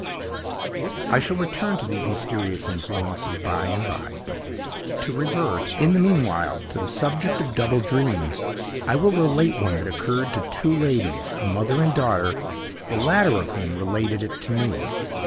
I shall return to these mysterious influences by and by; but to revert, in the meanwhile, to the subject of double dreams, I will relate one that occurred to two ladies, a mother and daughter, the latter of whom related it to me.